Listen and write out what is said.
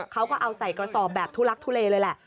เขาก็เอาใส่กระสอบแบบทุลักทุเลเลยแหละ